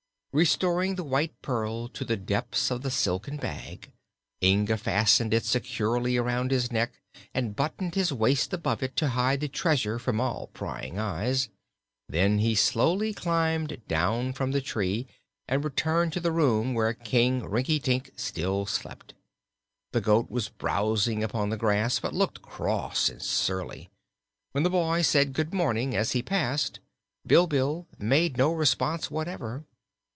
Restoring the White Pearl to the depths of the silken bag, Inga fastened it securely around his neck and buttoned his waist above it to hide the treasure from all prying eyes. Then he slowly climbed down from the tree and returned to the room where King Rinkitink still slept. The goat was browsing upon the grass but looked cross and surly. When the boy said good morning as he passed, Bilbil made no response whatever.